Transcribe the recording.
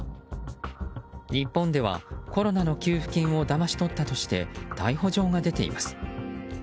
日本ではコロナの給付金をだまし取ったとして逮捕状が出ています。